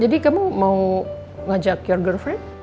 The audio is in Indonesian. jadi kamu mau ngajak your girlfriend